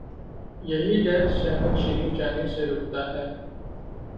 یہی ڈر سیہون شریف جانے سے روکتا ہے۔